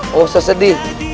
gak usah sedih